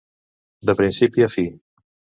De principi a fi.